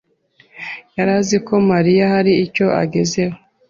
yari azi ko Mariya hari icyo agezeho.